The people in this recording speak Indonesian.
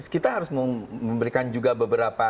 kita harus memberikan juga beberapa